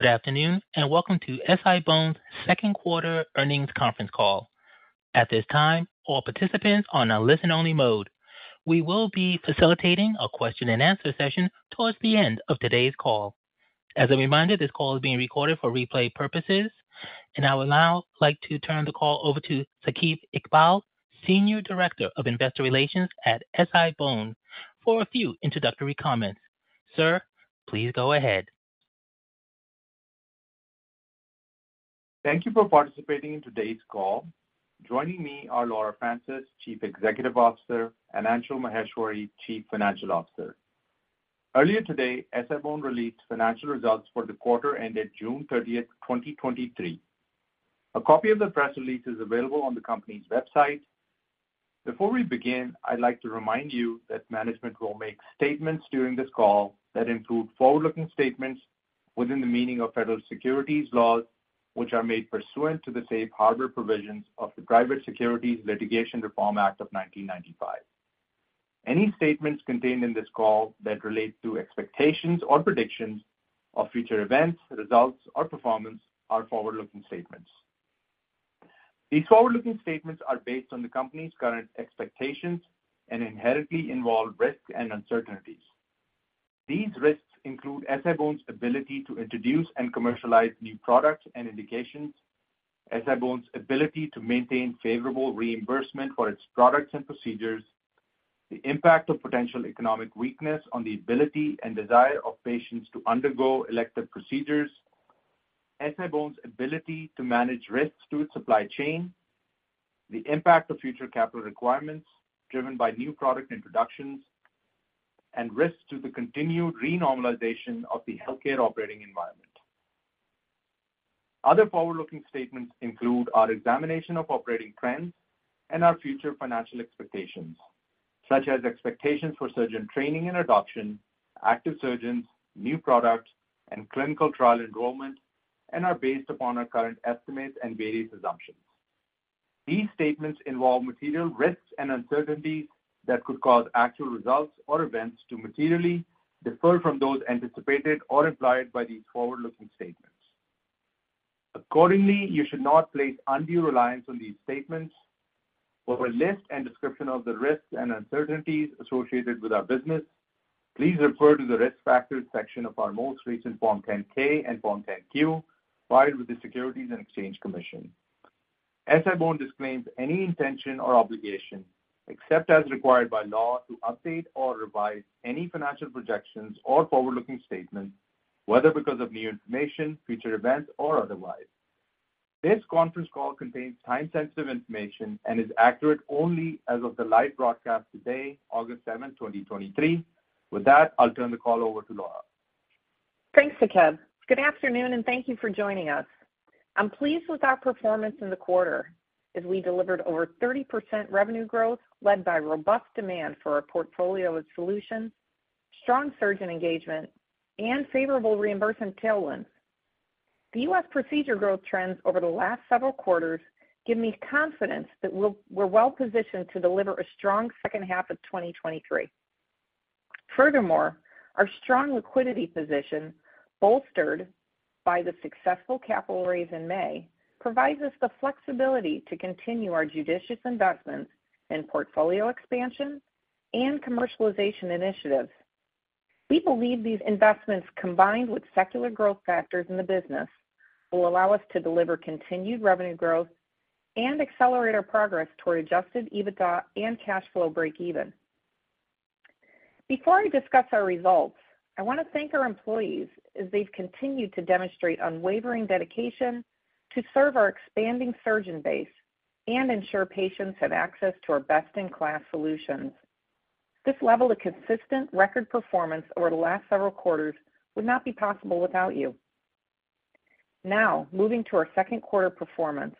Good afternoon. Welcome to SI-BONE's second quarter earnings conference call. At this time, all participants are on a listen-only mode. We will be facilitating a question-and-answer session towards the end of today's call. As a reminder, this call is being recorded for replay purposes. I would now like to turn the call over to Saqib Iqbal, Senior Director of Investor Relations at SI-BONE, for a few introductory comments. Sir, please go ahead. Thank you for participating in today's call. Joining me are Laura Francis, Chief Executive Officer, and Aanchal Maheshwari, Chief Financial Officer. Earlier today, SI-BONE released financial results for the quarter ended June 30th, 2023. A copy of the press release is available on the company's website. Before we begin, I'd like to remind you that management will make statements during this call that include forward-looking statements within the meaning of federal securities laws, which are made pursuant to the safe harbor provisions of the Private Securities Litigation Reform Act of 1995. Any statements contained in this call that relate to expectations or predictions of future events, results, or performance are forward-looking statements. These forward-looking statements are based on the company's current expectations and inherently involve risks and uncertainties. These risks include SI-BONE's ability to introduce and commercialize new products and indications, SI-BONE's ability to maintain favorable reimbursement for its products and procedures, the impact of potential economic weakness on the ability and desire of patients to undergo elective procedures, SI-BONE's ability to manage risks to its supply chain, the impact of future capital requirements driven by new product introductions, and risks to the continued renormalization of the healthcare operating environment. Other forward-looking statements include our examination of operating trends and our future financial expectations, such as expectations for surgeon training and adoption, active surgeons, new products, and clinical trial enrollment, and are based upon our current estimates and various assumptions. These statements involve material risks and uncertainties that could cause actual results or events to materially differ from those anticipated or implied by these forward-looking statements. Accordingly, you should not place undue reliance on these statements. For a list and description of the risks and uncertainties associated with our business, please refer to the Risk Factors section of our most recent Form 10-K and Form 10-Q filed with the Securities and Exchange Commission. SI-BONE disclaims any intention or obligation, except as required by law, to update or revise any financial projections or forward-looking statements, whether because of new information, future events, or otherwise. This conference call contains time-sensitive information and is accurate only as of the live broadcast today, August 7, 2023. With that, I'll turn the call over to Laura. Thanks, Saqib. Good afternoon, and thank you for joining us. I'm pleased with our performance in the quarter, as we delivered over 30% revenue growth, led by robust demand for our portfolio of solutions, strong surgeon engagement, and favorable reimbursement tailwinds. The US procedure growth trends over the last several quarters give me confidence that we're, we're well positioned to deliver a strong second half of 2023. Furthermore, our strong liquidity position, bolstered by the successful capital raise in May, provides us the flexibility to continue our judicious investments in portfolio expansion and commercialization initiatives. We believe these investments, combined with secular growth factors in the business, will allow us to deliver continued revenue growth and accelerate our progress toward adjusted EBITDA and cash flow breakeven. Before I discuss our results, I want to thank our employees, as they've continued to demonstrate unwavering dedication to serve our expanding surgeon base and ensure patients have access to our best-in-class solutions. This level of consistent record performance over the last several quarters would not be possible without you. Now, moving to our second quarter performance.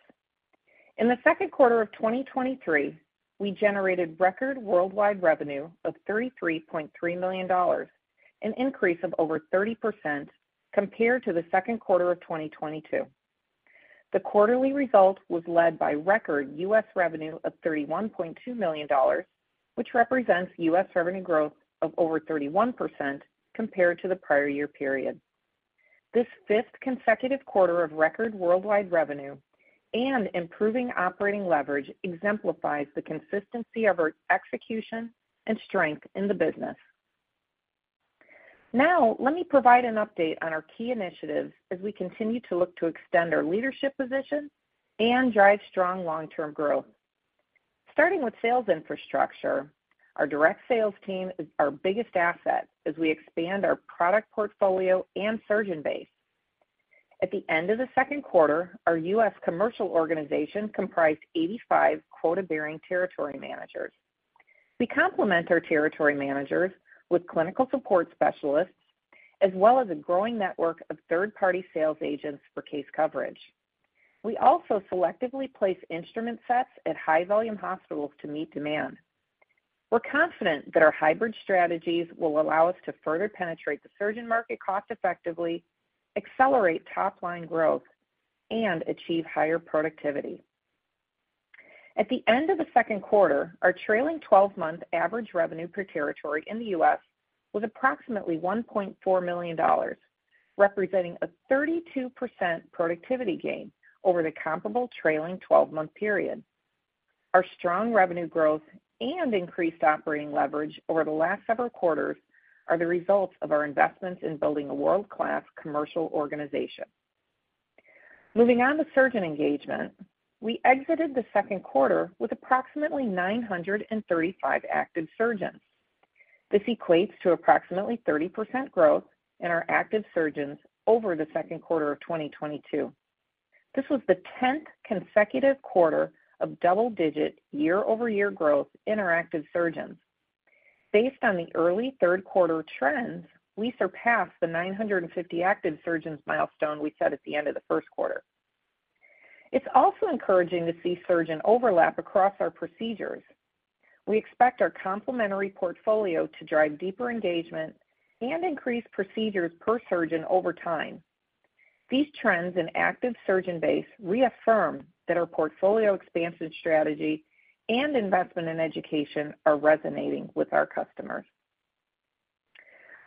In the second quarter of 2023, we generated record worldwide revenue of $33.3 million, an increase of over 30% compared to the second quarter of 2022. The quarterly result was led by record US revenue of $31.2 million, which represents US revenue growth of over 31% compared to the prior year period. This 5th consecutive quarter of record worldwide revenue and improving operating leverage exemplifies the consistency of our execution and strength in the business. Let me provide an update on our key initiatives as we continue to look to extend our leadership position and drive strong long-term growth. Starting with sales infrastructure, our direct sales team is our biggest asset as we expand our product portfolio and surgeon base. At the end of the second quarter, our U.S. commercial organization comprised 85 quota-bearing territory managers. We complement our territory managers with clinical support specialists, as well as a growing network of third-party sales agents for case coverage. We also selectively place instrument sets at high-volume hospitals to meet demand. We're confident that our hybrid strategies will allow us to further penetrate the surgeon market cost-effectively, accelerate top-line growth, and achieve higher productivity. At the end of the second quarter, our trailing 12-month average revenue per territory in the US was approximately $1.4 million, representing a 32% productivity gain over the comparable trailing 12-month period. Our strong revenue growth and increased operating leverage over the last several quarters are the results of our investments in building a world-class commercial organization. Moving on to surgeon engagement. We exited the second quarter with approximately 935 active surgeons. This equates to approximately 30% growth in our active surgeons over the second quarter of 2022. This was the 10th consecutive quarter of double-digit year-over-year growth in our active surgeons. Based on the early third quarter trends, we surpassed the 950 active surgeons milestone we set at the end of the first quarter. It's also encouraging to see surgeon overlap across our procedures. We expect our complementary portfolio to drive deeper engagement and increase procedures per surgeon over time. These trends in active surgeon base reaffirm that our portfolio expansion strategy and investment in education are resonating with our customers.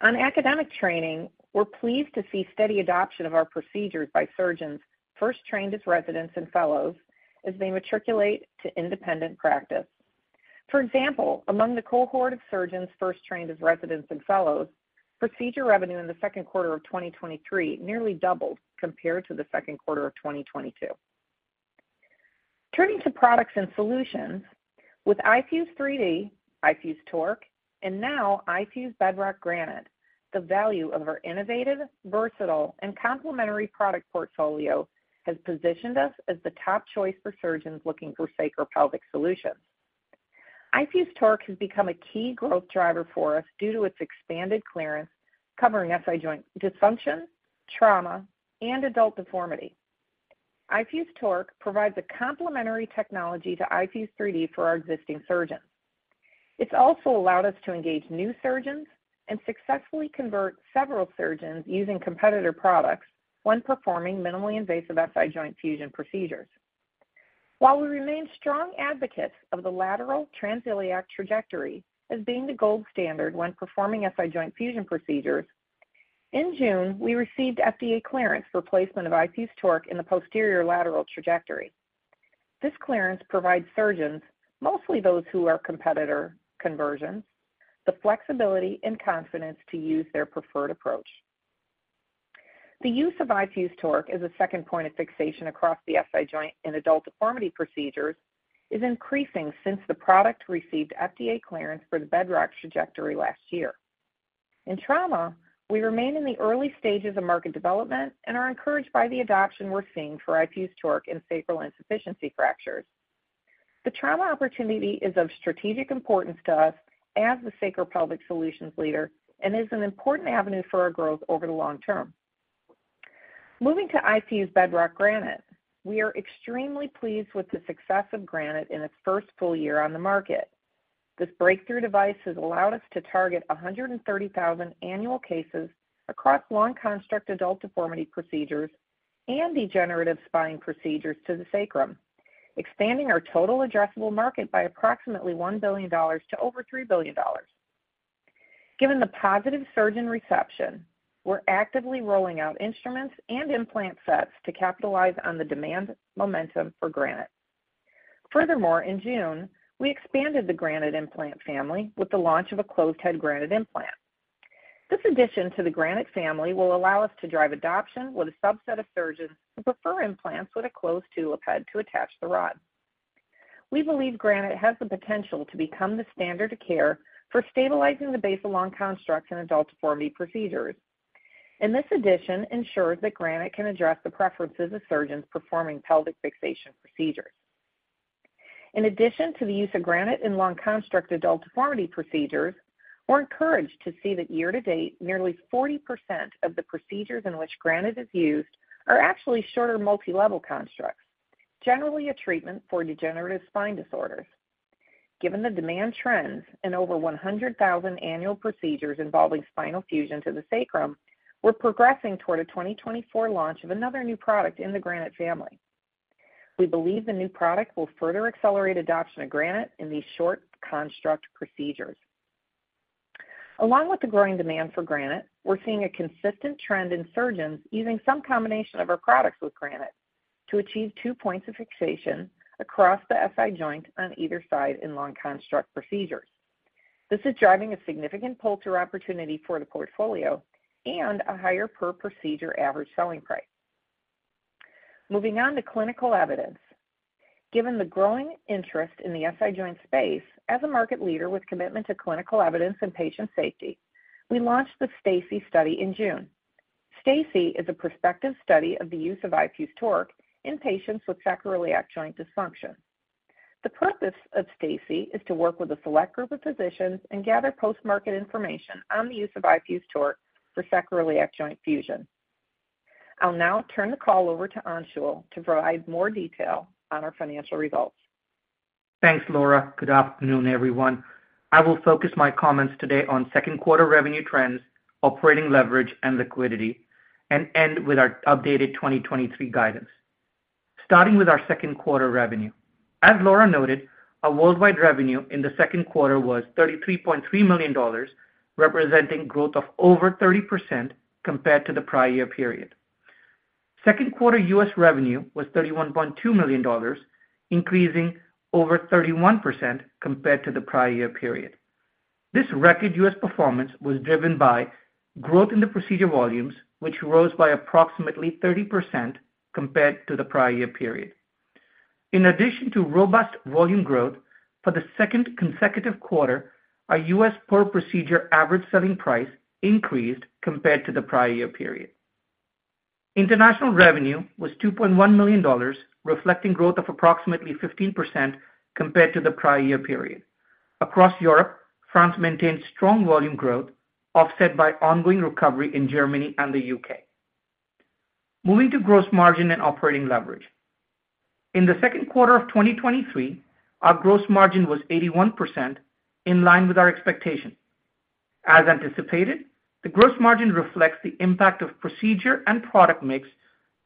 On academic training, we're pleased to see steady adoption of our procedures by surgeons first trained as residents and fellows as they matriculate to independent practice. For example, among the cohort of surgeons first trained as residents and fellows, procedure revenue in the second quarter of 2023 nearly doubled compared to the second quarter of 2022. Turning to products and solutions. With iFuse 3D, iFuse TORQ, and now iFuse Bedrock Granite, the value of our innovative, versatile, and complementary product portfolio has positioned us as the top choice for surgeons looking for sacropelvic solutions. iFuse TORQ has become a key growth driver for us due to its expanded clearance, covering SI joint dysfunction, trauma, and adult deformity. iFuse TORQ provides a complementary technology to iFuse 3D for our existing surgeons. It's also allowed us to engage new surgeons and successfully convert several surgeons using competitor products when performing minimally invasive SI joint fusion procedures. While we remain strong advocates of the lateral transiliac trajectory as being the gold standard when performing SI joint fusion procedures, in June, we received FDA clearance for placement of iFuse TORQ in the posterolateral trajectory. This clearance provides surgeons, mostly those who are competitor conversions, the flexibility and confidence to use their preferred approach. The use of iFuse TORQ as a second point of fixation across the SI joint in adult deformity procedures is increasing since the product received FDA clearance for the Bedrock trajectory last year. In trauma, we remain in the early stages of market development and are encouraged by the adoption we're seeing for iFuse TORQ in sacral insufficiency fractures. The trauma opportunity is of strategic importance to us as the sacropelvic solutions leader and is an important avenue for our growth over the long-term. Moving to iFuse Bedrock Granite. We are extremely pleased with the success of Granite in its first full year on the market. This breakthrough device has allowed us to target 130,000 annual cases across long construct adult deformity procedures and degenerative spine procedures to the sacrum, expanding our total addressable market by approximately $1 billion to over $3 billion. Given the positive surgeon reception, we're actively rolling out instruments and implant sets to capitalize on the demand momentum for Granite. Furthermore, in June, we expanded the Granite implant family with the launch of a closed-head Granite implant. This addition to the Granite family will allow us to drive adoption with a subset of surgeons who prefer implants with a closed tulip head to attach the rod. We believe Granite has the potential to become the standard of care for stabilizing the basal long constructs in adult deformity procedures, and this addition ensures that Granite can address the preferences of surgeons performing pelvic fixation procedures. In addition to the use of Granite in long construct adult deformity procedures, we're encouraged to see that year to date, nearly 40% of the procedures in which Granite is used are actually shorter, multi-level constructs, generally a treatment for degenerative spine disorders. Given the demand trends and over 100,000 annual procedures involving spinal fusion to the sacrum, we're progressing toward a 2024 launch of another new product in the Granite family. We believe the new product will further accelerate adoption of Granite in these short construct procedures. Along with the growing demand for Granite, we're seeing a consistent trend in surgeons using some combination of our products with Granite to achieve two points of fixation across the SI joint on either side in long construct procedures. This is driving a significant pull-through opportunity for the portfolio and a higher per procedure average selling price. Moving on to clinical evidence. Given the growing interest in the SI joint space, as a market leader with commitment to clinical evidence and patient safety, we launched the STACIE study in June. STACIE is a prospective study of the use of iFuse TORQ in patients with sacroiliac joint dysfunction. The purpose of STACIE is to work with a select group of physicians and gather post-market information on the use of iFuse TORQ for sacroiliac joint fusion. I'll now turn the call over to Anshul to provide more detail on our financial results. Thanks, Laura. Good afternoon, everyone. I will focus my comments today on second quarter revenue trends, operating leverage, and liquidity. I will end with our updated 2023 guidance. Starting with our second quarter revenue. As Laura noted, our worldwide revenue in the second quarter was $33.3 million, representing growth of over 30% compared to the prior year period. Second quarter U.S revenue was $31.2 million, increasing over 31% compared to the prior year period. This record US performance was driven by growth in the procedure volumes, which rose by approximately 30% compared to the prior year period. In addition to robust volume growth, for the second consecutive quarter, our US per-procedure average selling price increased compared to the prior year period. International revenue was $2.1 million, reflecting growth of approximately 15% compared to the prior year period. Across Europe, France maintained strong volume growth, offset by ongoing recovery in Germany and the UK. Moving to gross margin and operating leverage. In the second quarter of 2023, our gross margin was 81%, in line with our expectation. As anticipated, the gross margin reflects the impact of procedure and product mix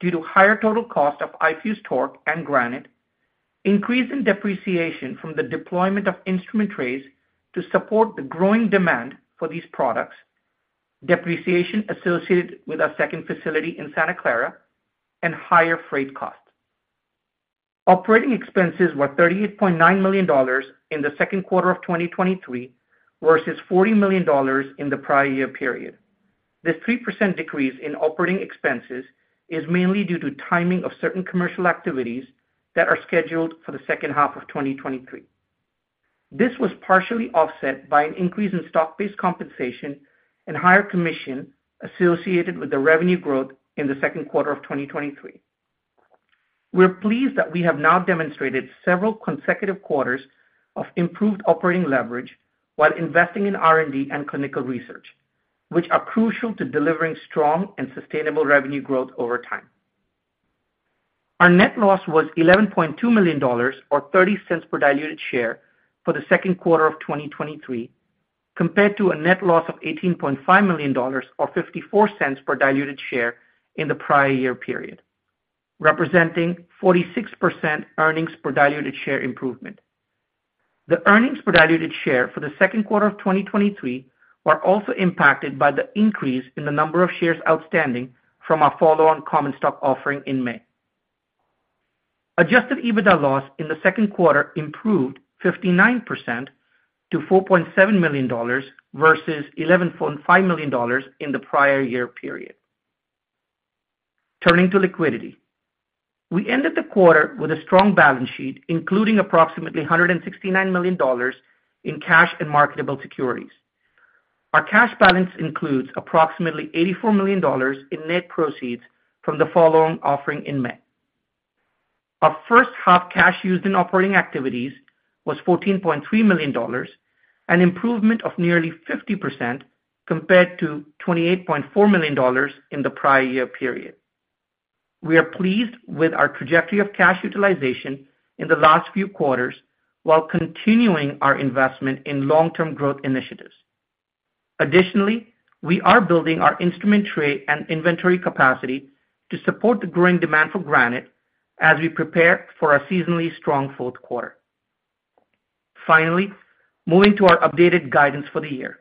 due to higher total cost of iFuse TORQ and Granite, increase in depreciation from the deployment of instrument trays to support the growing demand for these products, depreciation associated with our second facility in Santa Clara, and higher freight costs. Operating expenses were $38.9 million in the second quarter of 2023 versus $40 million in the prior year period. This 3% decrease in operating expenses is mainly due to timing of certain commercial activities that are scheduled for the second half of 2023. This was partially offset by an increase in stock-based compensation and higher commission associated with the revenue growth in the second quarter of 2023. We're pleased that we have now demonstrated several consecutive quarters of improved operating leverage while investing in R&D and clinical research, which are crucial to delivering strong and sustainable revenue growth over time. Our net loss was $11.2 million, or $0.30 per diluted share for the second quarter of 2023, compared to a net loss of $18.5 million or $0.54 per diluted share in the prior year period, representing 46% earnings per diluted share improvement. The earnings per diluted share for the second quarter of 2023 were also impacted by the increase in the number of shares outstanding from our follow-on common stock offering in May. Adjusted EBITDA loss in the second quarter improved 59% to $4.7 million versus $11.5 million in the prior year period. Turning to liquidity. We ended the quarter with a strong balance sheet, including approximately $169 million in cash and marketable securities. Our cash balance includes approximately $84 million in net proceeds from the following offering in May. Our first half cash used in operating activities was $14.3 million, an improvement of nearly 50% compared to $28.4 million in the prior year period. We are pleased with our trajectory of cash utilization in the last few quarters, while continuing our investment in long-term growth initiatives. We are building our instrument tray and inventory capacity to support the growing demand for Granite as we prepare for a seasonally strong fourth quarter. Moving to our updated guidance for the year.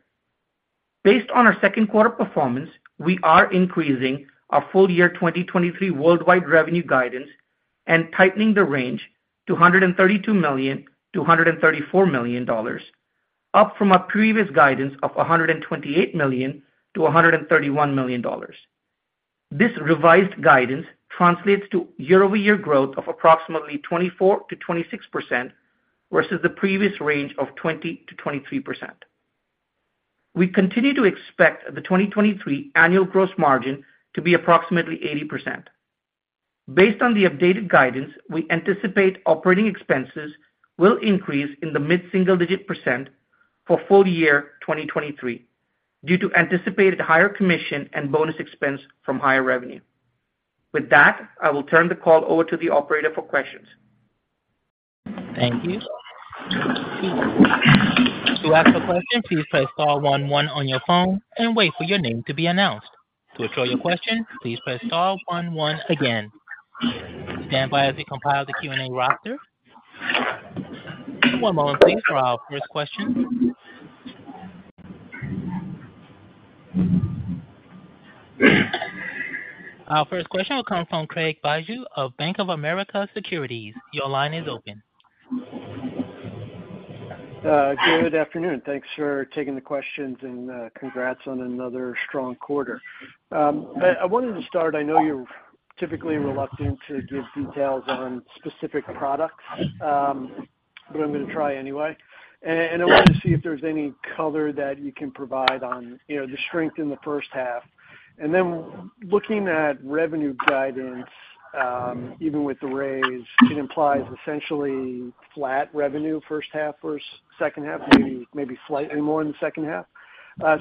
Based on our 2Q performance, we are increasing our full year 2023 worldwide revenue guidance and tightening the range to $132 million-$134 million, up from our previous guidance of $128 million-$131 million. This revised guidance translates to year-over-year growth of approximately 24%-26%, versus the previous range of 20%-23%. We continue to expect the 2023 annual gross margin to be approximately 80%. Based on the updated guidance, we anticipate operating expenses will increase in the mid-single digit % for full year 2023 due to anticipated higher commission and bonus expense from higher revenue. With that, I will turn the call over to the operator for questions. Thank you. To ask a question, please press star one one on your phone and wait for your name to be announced. To withdraw your question, please press star one one again. Stand by as we compile the Q&A roster. One moment, thanks, for our first question. Our first question will come from Craig Bijou of Bank of America Securities. Your line is open. Good afternoon. Thanks for taking the questions and congrats on another strong quarter. I, I wanted to start, I know you're typically reluctant to give details on specific products, but I'm going to try anyway. I wanted to see if there's any color that you can provide on, you know, the strength in the first half. Looking at revenue guidance, even with the raise, it implies essentially flat revenue, first half versus second half, maybe, maybe slightly more in the second half.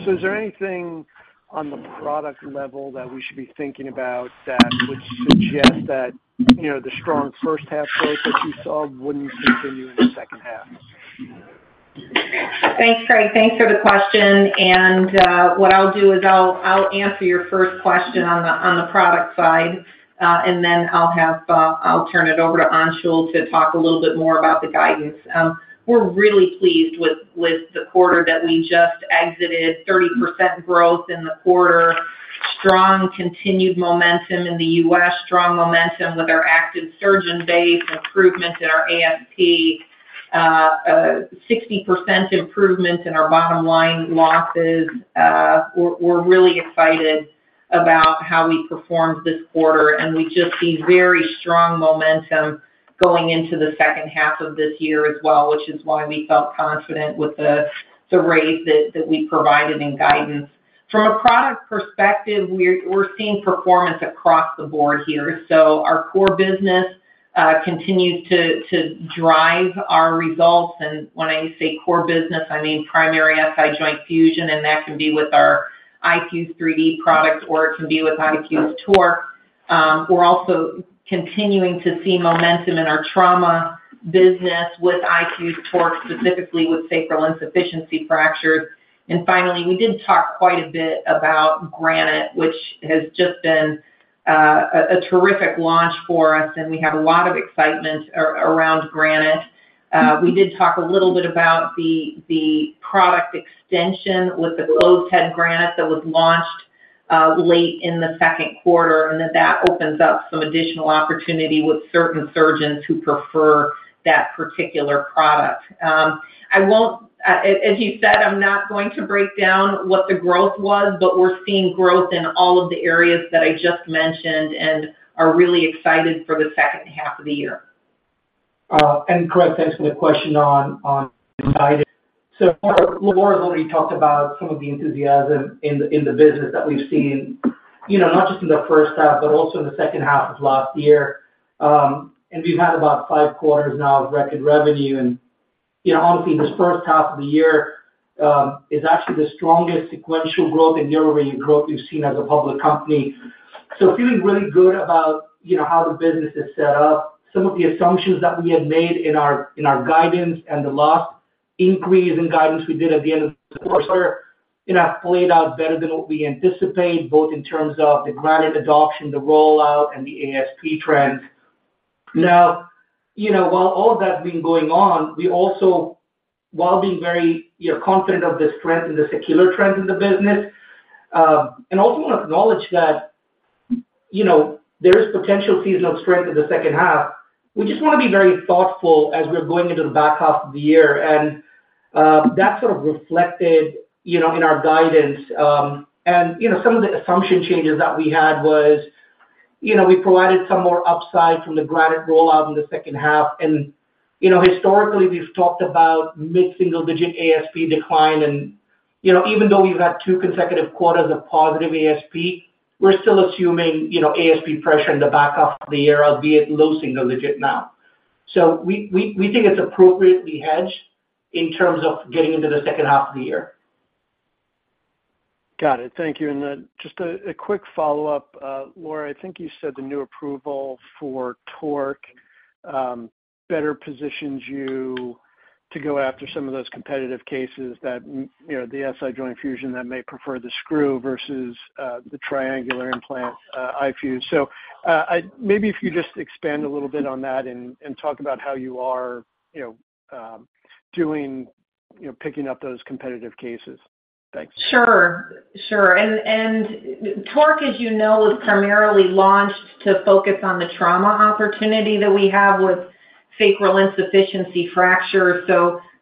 Is there anything on the product level that we should be thinking about that would suggest that, you know, the strong first half growth that you saw wouldn't continue in the second half? Thanks, Craig. Thanks for the question. What I'll do is I'll, I'll answer your first question on the, on the product side, and then I'll have, I'll turn it over to Anshul to talk a little bit more about the guidance. We're really pleased with, with the quarter that we just exited. 30% growth in the quarter, strong continued momentum in the US, strong momentum with our active surgeon base, improvement in our ASP, a 60% improvement in our bottom line losses. We're, we're really excited about how we performed this quarter, and we just see very strong momentum going into the second half of this year as well, which is why we felt confident with the, the rate that, that we provided in guidance. From a product perspective, we're, we're seeing performance across the board here. Our core business continues to drive our results. When I say core business, I mean primary SI joint fusion, and that can be with our iFuse 3D products, or it can be with iFuse TORQ. We're also continuing to see momentum in our trauma business with iFuse TORQ, specifically with sacral insufficiency fractures. Finally, we did talk quite a bit about Granite, which has just been a terrific launch for us, and we have a lot of excitement around Granite. We did talk a little bit about the product extension with the closed head Granite that was launched late in the second quarter, and that that opens up some additional opportunity with certain surgeons who prefer that particular product. I won't, as you said, I'm not going to break down what the growth was, but we're seeing growth in all of the areas that I just mentioned and are really excited for the second half of the year. Correct, thanks for the question on guidance. Laura has already talked about some of the enthusiasm in the business that we've seen, you know, not just in the first half, but also in the second half of last year. We've had about five quarters now of record revenue, and you know, honestly, this first half of the year is actually the strongest sequential growth and year-over-year growth we've seen as a public company. Feeling really good about, you know, how the business is set up. Some of the assumptions that we had made in our guidance and the last increase in guidance we did at the end of the quarter, you know, played out better than what we anticipated, both in terms of the Granite adoption, the rollout, and the ASP trends. Now, you know, while all of that's been going on, we also, while being very, you know, confident of the strength and the secular trends in the business, and also want to acknowledge that, you know, there is potential seasonal strength in the second half. We just want to be very thoughtful as we're going into the back half of the year, and that sort of reflected, you know, in our guidance. You know, some of the assumption changes that we had was, you know, we provided some more upside from the Granite rollout in the second half. You know, historically, we've talked about mid-single-digit ASP decline, and, you know, even though we've had 2 consecutive quarters of positive ASP, we're still assuming, you know, ASP pressure in the back half of the year, albeit low single digit now. We think it's appropriately hedged in terms of getting into the second half of the year. Got it. Thank you. Then just a, a quick follow-up. Laura, I think you said the new approval for TORQ better positions you to go after some of those competitive cases that, you know, the SI joint fusion that may prefer the screw versus the triangular implant, iFuse. Maybe if you just expand a little bit on that and, and talk about how you are, you know, doing, you know, picking up those competitive cases. Thanks. Sure, sure. And TORQ, as you know, was primarily launched to focus on the trauma opportunity that we have with sacral insufficiency fractures.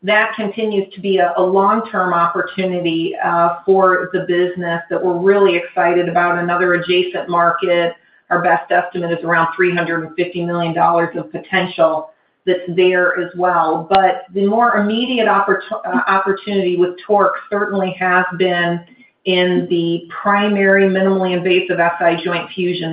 That continues to be a long-term opportunity for the business that we're really excited about. Another adjacent market, our best estimate is around $350 million of potential that's there as well. The more immediate opportunity with TORQ certainly has been in the primary minimally invasive SI joint fusion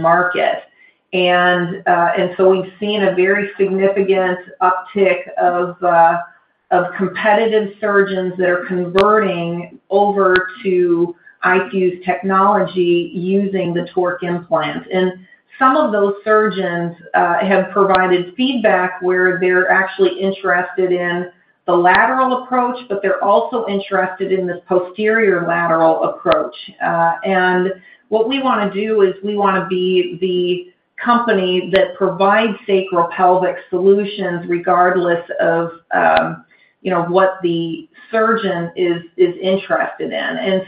market. We've seen a very significant uptick of competitive surgeons that are converting over to iFuse technology using the TORQ implant. Some of those surgeons have provided feedback where they're actually interested in the lateral approach, but they're also interested in this posterior lateral approach. What we want to do is we want to be the company that provides sacropelvic solutions regardless of, you know, what the surgeon is, is interested in.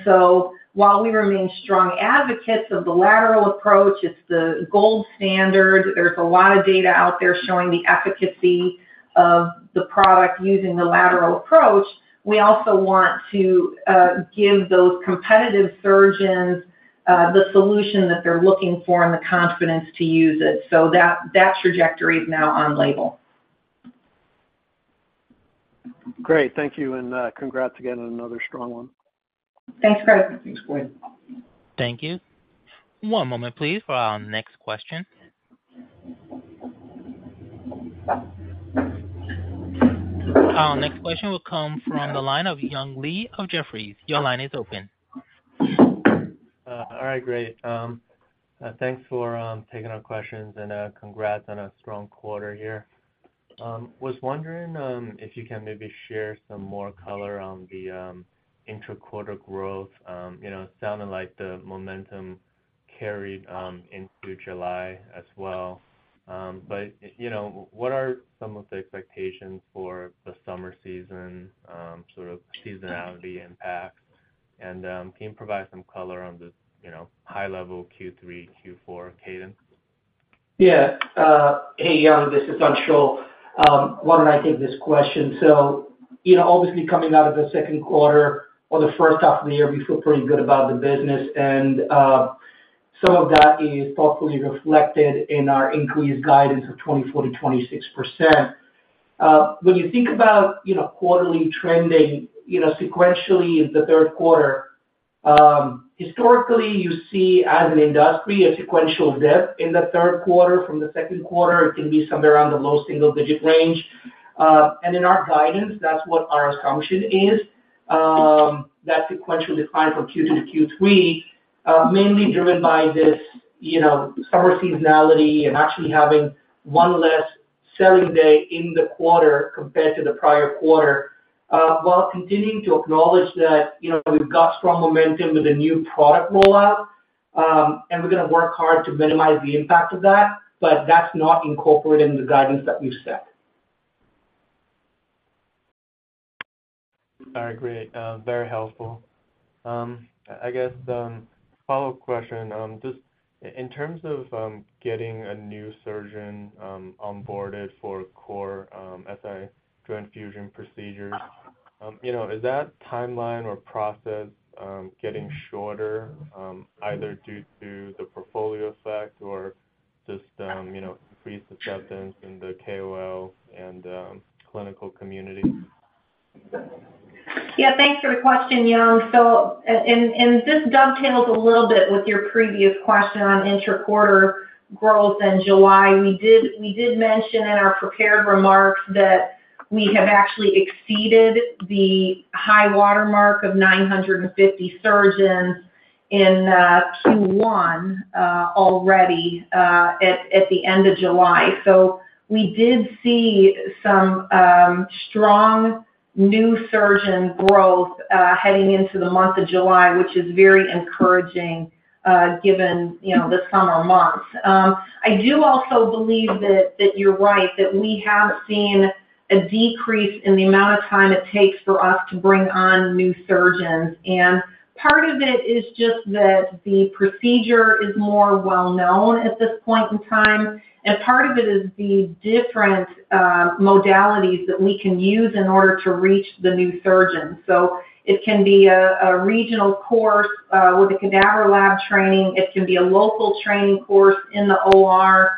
While we remain strong advocates of the lateral approach, it's the gold standard. There's a lot of data out there showing the efficacy of the product using the lateral approach. We also want to give those competitive surgeons the solution that they're looking for and the confidence to use it. That, that trajectory is now on label. Great. Thank you, and congrats again on another strong one. Thanks, Craig. Thanks, Craig. Thank you. One moment, please, for our next question. Our next question will come from the line of Young Li of Jefferies. Your line is open. All right, great. Thanks for taking our questions, and congrats on a strong quarter here. Was wondering if you can maybe share some more color on the intra-quarter growth. You know, it sounded like the momentum carried into July as well. But, you know, what are some of the expectations for the summer season, sort of seasonality impact? Can you provide some color on the, you know, high-level Q3, Q4 cadence? Yeah. Hey, Young, this is Anshul. Why don't I take this question? You know, obviously coming out of the 2Q or the first half, we feel pretty good about the business, and some of that is thoughtfully reflected in our increased guidance of 24%-26%. When you think about, you know, quarterly trending, you know, sequentially in the 3Q, historically, you see, as an industry, a sequential dip in the 3Q from the 2Q. It can be somewhere around the low single-digit range. In our guidance, that's what our assumption is, that sequential decline from Q2 to Q3, mainly driven by this, you know, summer seasonality and actually having one less selling day in the quarter compared to the prior quarter. While continuing to acknowledge that, you know, we've got strong momentum with a new product rollout, and we're going to work hard to minimize the impact of that, but that's not incorporated in the guidance that we've set. All right, great. Very helpful. I guess, a follow-up question. Just in terms of getting a new surgeon onboarded for core SI joint fusion procedures, you know, is that timeline or process getting shorter, either due to the portfolio effect or just, you know, increased acceptance in the KOL and clinical community? Yeah, thanks for the question, Young. And this dovetails a little bit with your previous question on interquarter growth in July. We did, we did mention in our prepared remarks that we have actually exceeded the high watermark of 950 surgeons in Q1 already at the end of July. We did see some strong new surgeon growth heading into the month of July, which is very encouraging given, you know, the summer months. I do also believe that, that you're right, that we have seen a decrease in the amount of time it takes for us to bring on new surgeons. Part of it is just that the procedure is more well known at this point in time, and part of it is the different modalities that we can use in order to reach the new surgeons. It can be a regional course with a cadaver lab training, it can be a local training course in the OR,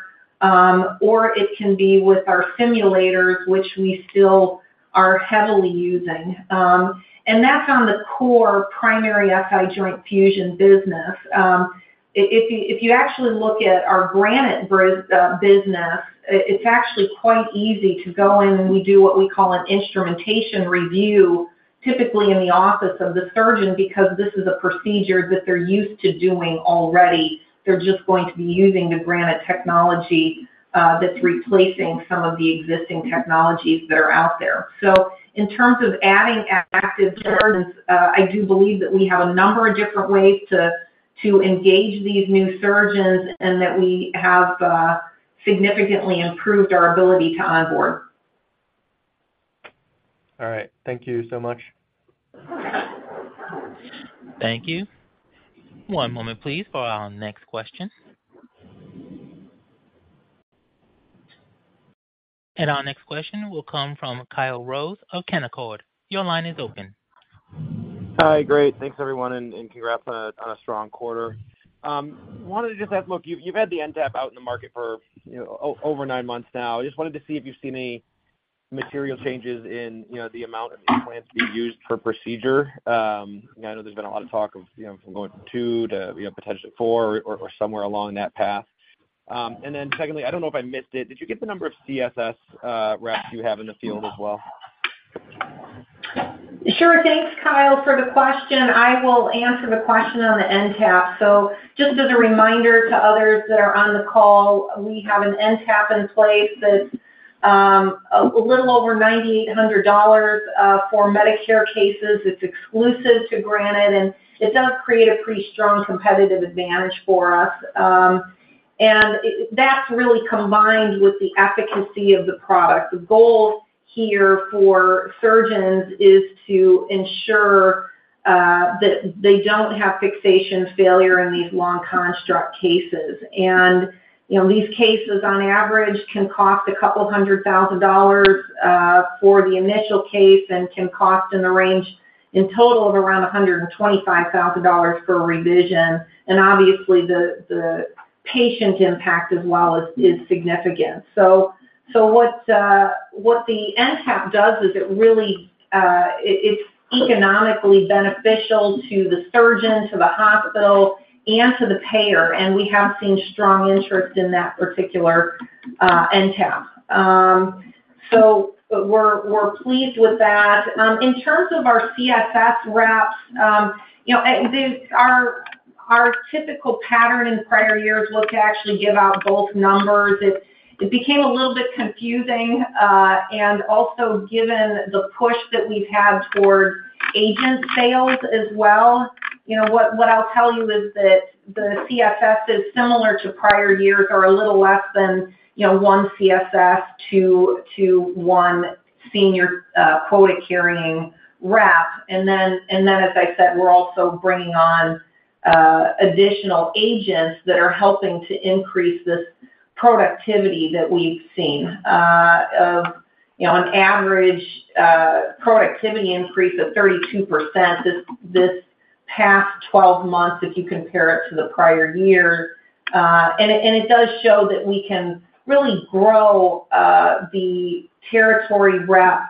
or it can be with our simulators, which we still are heavily using. And that's on the core primary SI joint fusion business. If you, if you actually look at our Granite business, it's actually quite easy to go in, and we do what we call an instrumentation review, typically in the office of the surgeon, because this is a procedure that they're used to doing already. They're just going to be using the Granite technology, that's replacing some of the existing technologies that are out there. In terms of adding active surgeons, I do believe that we have a number of different ways to, to engage these new surgeons and that we have, significantly improved our ability to onboard. All right. Thank you so much. Thank you. One moment, please, for our next question. Our next question will come from Kyle Rose of Canaccord. Your line is open. Hi. Great, thanks, everyone, and, and congrats on a, on a strong quarter. wanted to just ask, look, you've, you've had the NTAP out in the market for, you know, over nine months now. I just wanted to see if you've seen any material changes in, you know, the amount of implants being used per procedure. I know there's been a lot of talk of, you know, from going from two to, you know, potentially four or, or somewhere along that path. Secondly, I don't know if I missed it: Did you get the number of CSS reps you have in the field as well? Sure. Thanks, Kyle, for the question. I will answer the question on the NTAP. Just as a reminder to others that are on the call, we have an NTAP in place that's a little over $9,800 for Medicare cases. It's exclusive to Granite, and it does create a pretty strong competitive advantage for us. That's really combined with the efficacy of the product. The goal here for surgeons is to ensure that they don't have fixation failure in these long construct cases. You know, these cases, on average, can cost $200,000 for the initial case and can cost in the range in total of around $125,000 for a revision, and obviously, the patient impact as well is significant. What, what the NTAP does is it really, it, it's economically beneficial to the surgeon, to the hospital, and to the payer, and we have seen strong interest in that particular NTAP. We're, we're pleased with that. In terms of our CSS reps, you know, our, our typical pattern in prior years was to actually give out both numbers. It, it became a little bit confusing. Also, given the push that we've had toward agent sales as well, you know, what, what I'll tell you is that the CSS is similar to prior years or a little less than, you know, one CSS to, to one senior, quota-carrying rep. As I said, we're also bringing on additional agents that are helping to increase this productivity that we've seen. Of, you know, on average, productivity increase of 32% this, this past 12 months, if you compare it to the prior year. It, and it does show that we can really grow the territory rep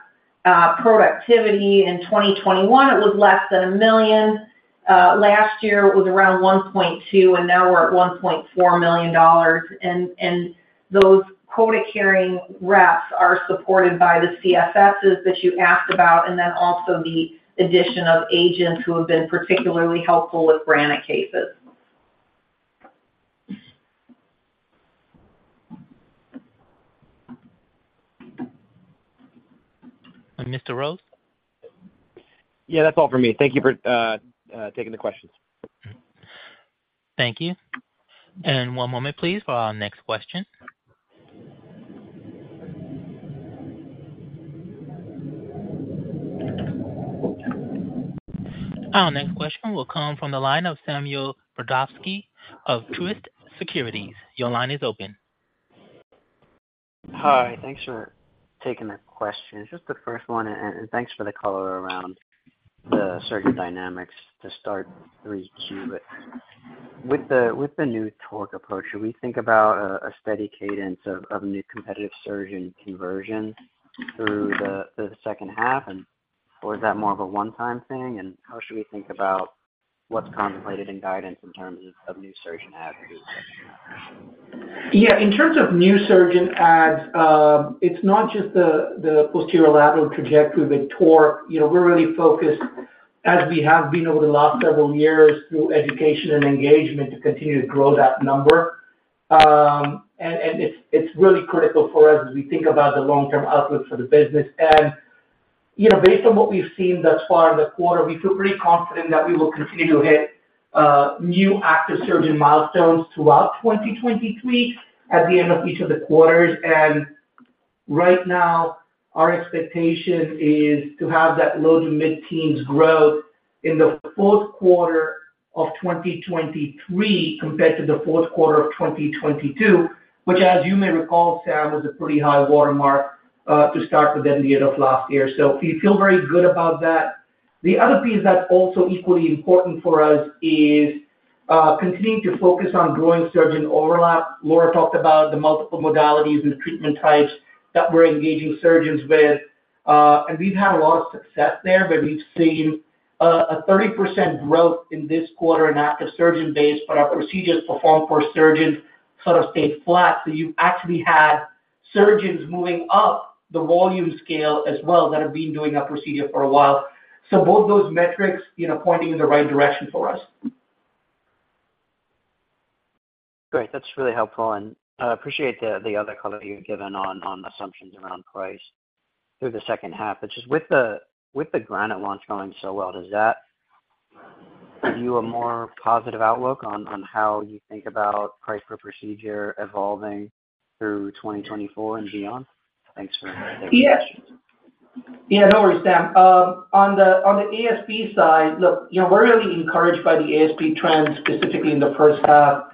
productivity. In 2021, it was less than $1 million. Last year it was around $1.2 million, and now we're at $1.4 million. Those quota-carrying reps are supported by the CSSs that you asked about, and then also the addition of agents who have been particularly helpful with Granite cases. Mr. Rose? Yeah, that's all for me. Thank you for taking the questions. Thank you. One moment, please, for our next question. Our next question will come from the line of Samuel Brodovsky of Truist Securities. Your line is open. Hi. Thanks for taking the question. Just the first one, and thanks for the color around the surgeon dynamics to start 3Q. With the new TORQ approach, should we think about a steady cadence of new competitive surgeon conversion through the second half, or is that more of a one-time thing? How should we think about what's contemplated in guidance in terms of new surgeon adds? Yeah, in terms of new surgeon adds, it's not just the posterolateral trajectory with TORQ. You know, we're really focused, as we have been over the last several years, through education and engagement, to continue to grow that number. And it's, it's really critical for us as we think about the long-term outlook for the business. You know, based on what we've seen thus far in the quarter, we feel pretty confident that we will continue to hit new active surgeon milestones throughout 2023 at the end of each of the quarters. Right now, our expectation is to have that low to mid-teens growth in the fourth quarter of 2023 compared to the fourth quarter of 2022, which, as you may recall, Sam, was a pretty high watermark to start within the end of last year. We feel very good about that. The other piece that's also equally important for us is, continuing to focus on growing surgeon overlap. Laura talked about the multiple modalities and treatment types that we're engaging surgeons with, and we've had a lot of success there, but we've seen, a 30% growth in this quarter in active surgeon base, but our procedures performed for surgeons sort of stayed flat. You've actually had surgeons moving up the volume scale as well, that have been doing a procedure for a while. Both those metrics, you know, pointing in the right direction for us. Great. That's really helpful, and I appreciate the other color you've given on assumptions around price through the second half. Just with the Granite launch going so well, does that give you a more positive outlook on how you think about price per procedure evolving through 2024 and beyond? Thanks very much. Yeah. Yeah, no worries, Sam. On the, on the ASP side, look, you know, we're really encouraged by the ASP trends, specifically in the first half,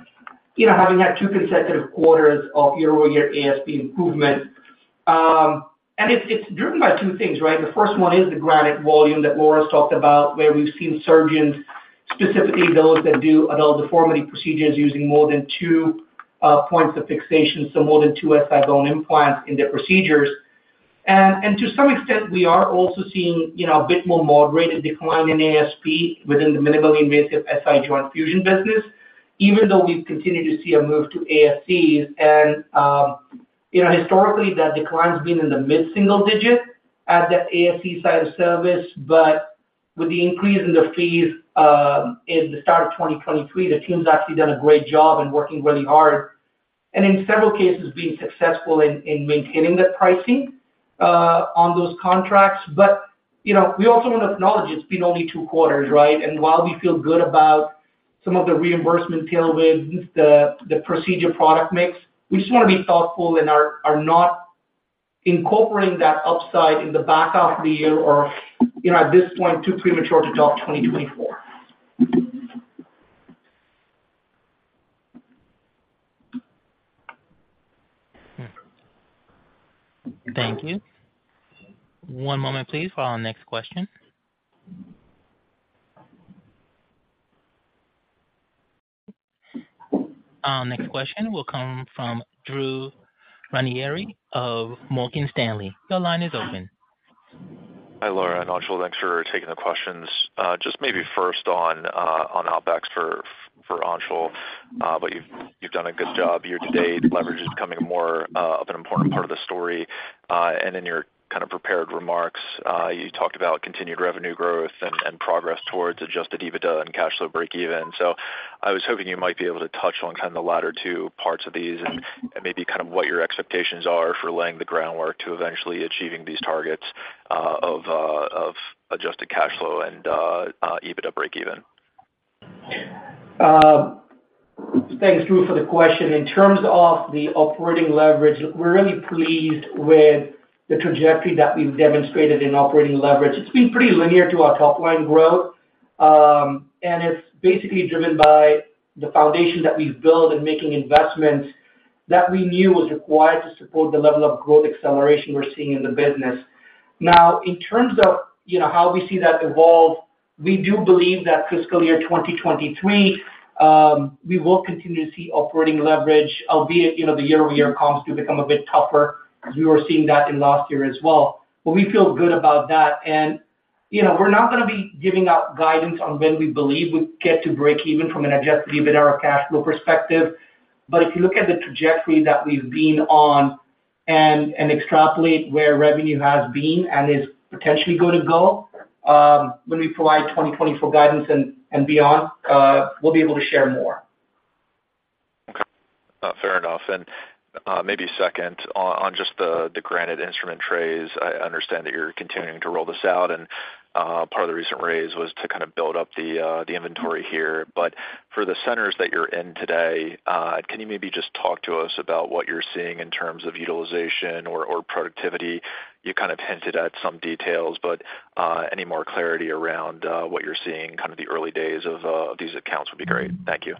you know, having had two consecutive quarters of year-over-year ASP improvement. It's, it's driven by two things, right? The first one is the Granite volume that Laura's talked about, where we've seen surgeons, specifically those that do adult deformity procedures, using more than two points of fixation, so more than two SI-BONE implants in their procedures. And to some extent, we are also seeing, you know, a bit more moderated decline in ASP within the minimally invasive SI joint fusion business, even though we've continued to see a move to ASCs. You know, historically, that decline's been in the mid-single digit at the ASC side of service. With the increase in the fees, in the start of 2023, the team's actually done a great job in working really hard and in several cases being successful in maintaining the pricing on those contracts. You know, we also want to acknowledge it's been only 2 quarters, right? While we feel good about some of the reimbursement tailwinds, the procedure product mix, we just want to be thoughtful and are not incorporating that upside in the back half of the year or, you know, at this point, too premature to talk 2024. Thank you. One moment, please, for our next question. Our next question will come from Drew Ranieri of Morgan Stanley. Your line is open. Hi, Laura and Aanchal. Thanks for taking the questions. just maybe first on, on OpEx for, for Aanchal, but you've, you've done a good job year-to-date, leverage is becoming more, of an important part of the story. In your kind of prepared remarks, you talked about continued revenue growth and, and progress towards adjusted EBITDA and cash flow breakeven. I was hoping you might be able to touch on kind of the latter two parts of these and, and maybe kind of what your expectations are for laying the groundwork to eventually achieving these targets, of, of adjusted cash flow and, EBITDA breakeven. Thanks, Drew, for the question. In terms of the operating leverage, we're really pleased with the trajectory that we've demonstrated in operating leverage. It's been pretty linear to our top line growth, and it's basically driven by the foundation that we've built in making investments that we knew was required to support the level of growth acceleration we're seeing in the business. Now, in terms of, you know, how we see that evolve, we do believe that fiscal year 2023, we will continue to see operating leverage, albeit, you know, the year-over-year comps do become a bit tougher. You are seeing that in last year as well. We feel good about that, and, you know, we're not gonna be giving out guidance on when we believe we get to breakeven from an adjusted EBITDA or cash flow perspective. If you look at the trajectory that we've been on and, and extrapolate where revenue has been and is potentially going to go, when we provide 2024 guidance and, and beyond, we'll be able to share more. Okay. fair enough. Maybe second, on, on just the, the Granite instrument trays, I understand that you're continuing to roll this out, and, part of the recent raise was to kind of build up the, the inventory here. For the centers that you're in today, can you maybe just talk to us about what you're seeing in terms of utilization or, or productivity? You kind of hinted at some details, but, any more clarity around, what you're seeing, kind of the early days of, these accounts would be great. Thank you.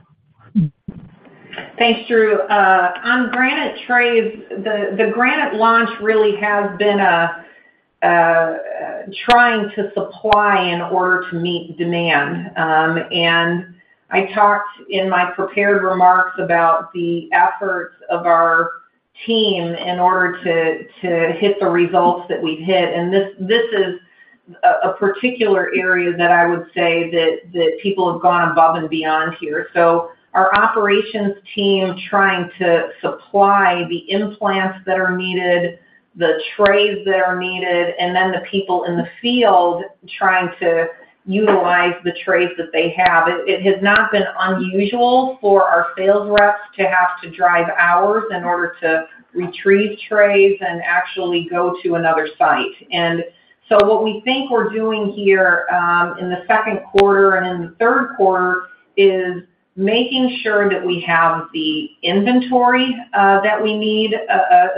Thanks, Drew. On Granite trays, the, the Granite launch really has been trying to supply in order to meet demand. I talked in my prepared remarks about the efforts of our team in order to, to hit the results that we've hit. This, this is a, a particular area that I would say that, that people have gone above and beyond here. Our operations team trying to supply the implants that are needed, the trays that are needed, and then the people in the field trying to utilize the trays that they have. It, it has not been unusual for our sales reps to have to drive hours in order to retrieve trays and actually go to another site. What we think we're doing here, in the second quarter and in the third quarter, is making sure that we have the inventory that we need,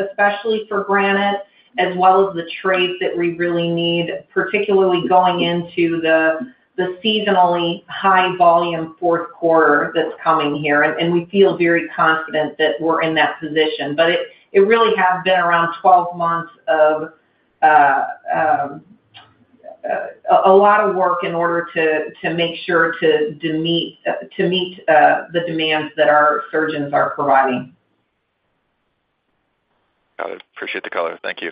especially for Granite, as well as the trays that we really need, particularly going into the seasonally high volume fourth quarter that's coming here. We feel very confident that we're in that position. It really has been around 12 months of a lot of work in order to make sure to meet the demands that our surgeons are providing. Got it. Appreciate the color. Thank you.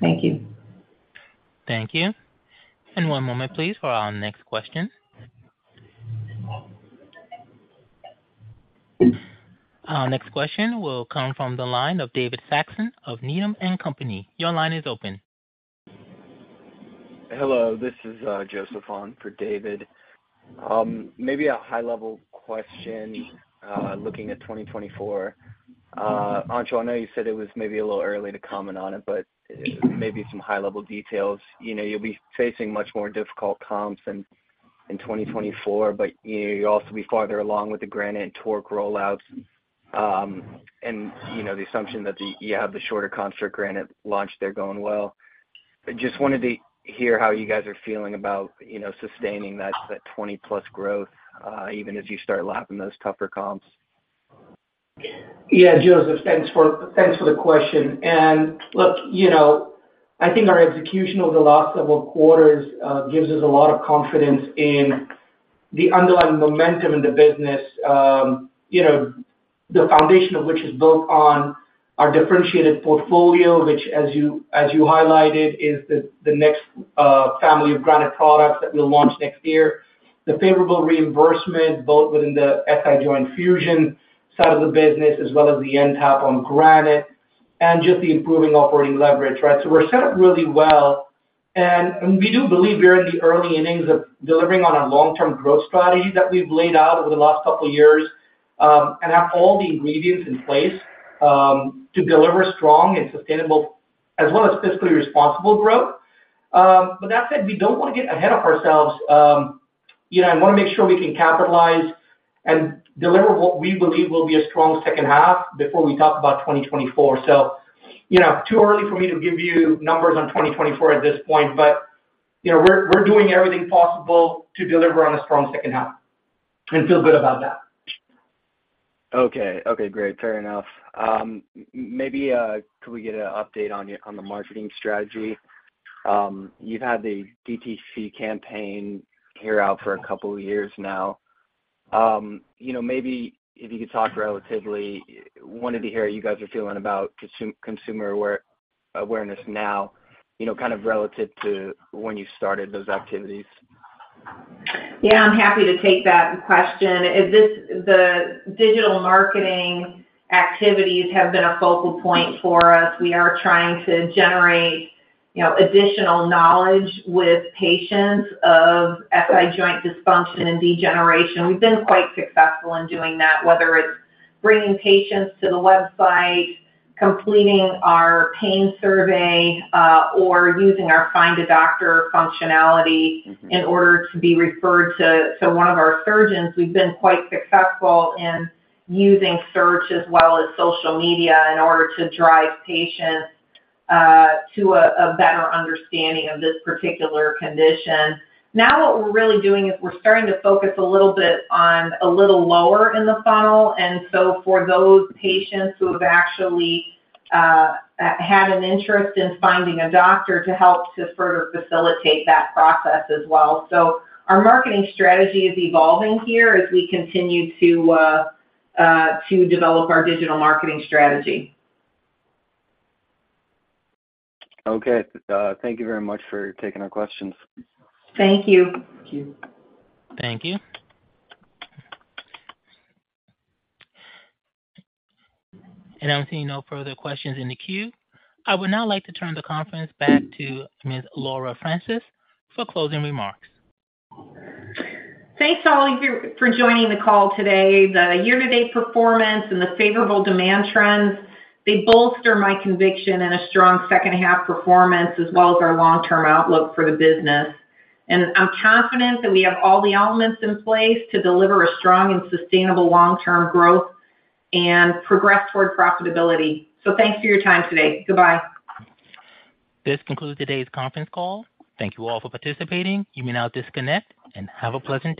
Thank you. Thank you. One moment, please, for our next question. Our next question will come from the line of David Saxon of Needham & Company. Your line is open. Hello, this is Joseph on for David. Maybe a high-level question, looking at 2024. Aanchal, I know you said it was maybe a little early to comment on it, but maybe some high-level details. You know, you'll be facing much more difficult comps in, in 2024, but you'll also be farther along with the Granite TORQ rollouts. And, you know, the assumption that you have the shorter construct Granite launch there going well. But just wanted to hear how you guys are feeling about, you know, sustaining that, that 20%+ growth, even as you start lapping those tougher comps. Yeah, Joseph, thanks for, thanks for the question. Look, you know, I think our execution over the last several quarters gives us a lot of confidence in the underlying momentum in the business. You know, the foundation of which is built on our differentiated portfolio, which, as you, as you highlighted, is the, the next family of Granite products that we'll launch next year. The favorable reimbursement, both within the SI joint fusion side of the business, as well as the NTAP on Granite, and just the improving operating leverage, right? We're set up really well, and we do believe we're in the early innings of delivering on our long-term growth strategy that we've laid out over the last couple years, and have all the ingredients in place to deliver strong and sustainable, as well as fiscally responsible growth. That said, we don't want to get ahead of ourselves. You know, I want to make sure we can capitalize and deliver what we believe will be a strong second half before we talk about 2024. You know, too early for me to give you numbers on 2024 at this point, but, you know, we're, we're doing everything possible to deliver on a strong second half and feel good about that. Okay. Okay, great. Fair enough. Maybe, could we get an update on the marketing strategy? You've had the DTC campaign here out for two years now, you know, maybe if you could talk relatively, wanted to hear how you guys are feeling about consumer awareness now, you know, kind of relative to when you started those activities? Yeah, I'm happy to take that question. The digital marketing activities have been a focal point for us. We are trying to generate, you know, additional knowledge with patients of SI joint dysfunction and degeneration. We've been quite successful in doing that, whether it's bringing patients to the website, completing our pain survey, or using our Find a Doctor functionality in order to be referred to, to one of our surgeons. We've been quite successful in using search as well as social media in order to drive patients to a, a better understanding of this particular condition. What we're really doing is we're starting to focus a little bit on a little lower in the funnel, for those patients who have actually had an interest in finding a doctor to help to further facilitate that process as well. Our marketing strategy is evolving here as we continue to develop our digital marketing strategy. Okay. Thank you very much for taking our questions. Thank you. Thank you. Thank you. I'm seeing no further questions in the queue. I would now like to turn the conference back to Ms. Laura Francis for closing remarks. Thanks, all of you, for joining the call today. The year-to-date performance and the favorable demand trends, they bolster my conviction in a strong second half performance, as well as our long-term outlook for the business. I'm confident that we have all the elements in place to deliver a strong and sustainable long-term growth and progress toward profitability. Thanks for your time today. Goodbye. This concludes today's conference call. Thank you all for participating. You may now disconnect, and have a pleasant day.